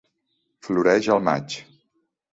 Floreix al maig.